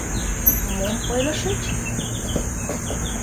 Мом ойлышыч?